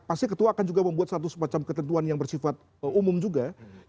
pasti ketua akan juga membuat satu semacam ketentuan yang bersifat umum juga